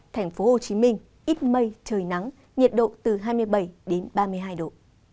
thành phố hồ chí minh ít mây trời nắng nhiệt độ từ hai mươi tám ba mươi hai độ